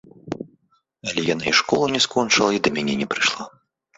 Але яна і школу не скончыла, і да мяне не прыйшла.